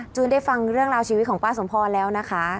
ได้ฟังเรื่องราวชีวิตของป้าสมพรแล้วนะคะ